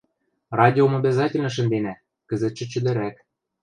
Радиом обязательно шӹнденӓ, кӹзӹтшӹ чӹдӹрӓк.